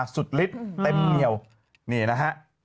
สุดฤทธิ์เต็มเหนียวนี่นะฮะ